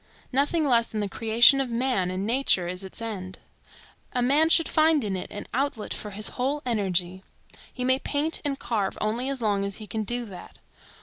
Nothing less than the creation of man and nature is its end. A man should find in it an outlet for his whole energy. He may paint and carve only as long as he can do that.